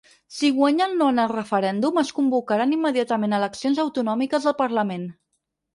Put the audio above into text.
Si guanya el no en el referèndum, es convocaran immediatament eleccions autonòmiques al parlament.